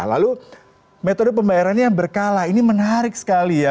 lalu metode pembayarannya yang berkala ini menarik sekali ya